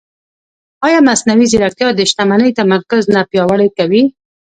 ایا مصنوعي ځیرکتیا د شتمنۍ تمرکز نه پیاوړی کوي؟